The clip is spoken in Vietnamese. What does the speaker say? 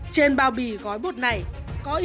trên bao bì gói bột này có in các loại ma túy